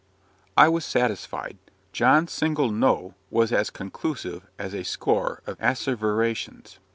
I was satisfied. John's single "No" was as conclusive as a score of asseverations.